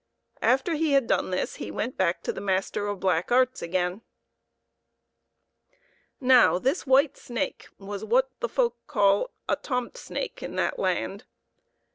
After he had done this he went back to the master of black arts again. Now this white snake was what the folk call a tomt snake in that land.